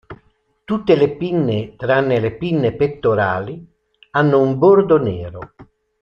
Tutte le pinne tranne le pinne pettorali hanno un bordo nero.